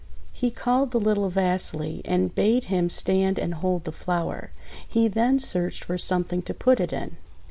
He called the little Vasily, and bade him stand and hold the flower. He then searched for some thing to put it in.